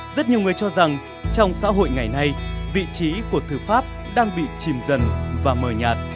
rất nhiều người cho rằng trong xã hội ngày nay vị trí của thư pháp đang bị chìm dần và mờ nhạt